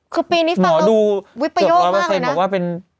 คือปีนี้มีหมอดูเกือบราวเปอร์เซ็นบอกว่าเป็น